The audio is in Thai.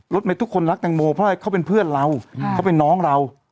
ทุกคนรักแตงโมเพราะเขาเป็นเพื่อนเราเขาเป็นน้องเรา